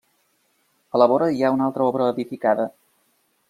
A la vora hi ha una altra obra edificada.